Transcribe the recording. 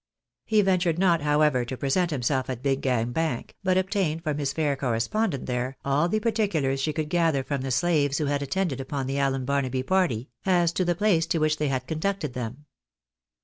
He ventured not, however, to present himself, at Big Gang Bank, but obtained from his fair correspondent there, all the particulars she could gather from the slaves who had attended upon the Allen Barnaby party, as to the place to which they had conducted them.